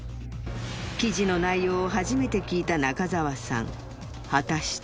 記事の内容を初めて聞いた中澤さん果たして